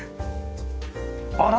あら！？